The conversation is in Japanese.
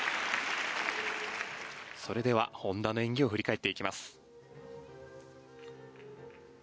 それでは本田の演技を振り返っていきます。